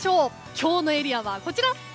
今日のエリアはこちら！